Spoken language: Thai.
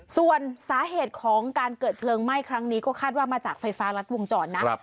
ส่วนสาเหตุของการเกิดเพลิงไหม้ครั้งนี้ก็คาดว่ามาจากไฟฟ้ารัดวงจรนะ